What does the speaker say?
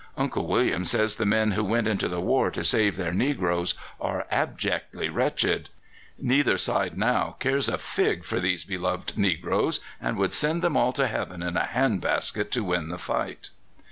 Uncle William says the men who went into the war to save their negroes are abjectly wretched. Neither side now cares a fig for these beloved negroes, and would send them all to heaven in a hand basket to win the fight."